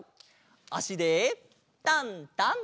あしでタンタン！